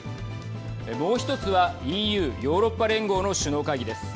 もう１つはＥＵ＝ヨーロッパ連合の首脳会議です。